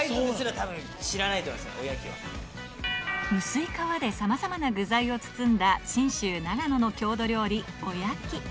薄い皮でさまざまな具材を包んだ信州長野の郷土料理